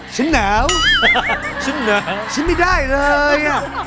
ชิ้นเหนาชิ้นเหนาชิ้นไม่ได้เลย